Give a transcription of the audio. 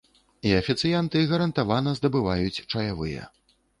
І афіцыянты гарантавана здабываюць чаявыя.